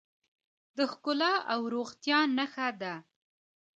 د ښکلا او روغتیا نښه ده.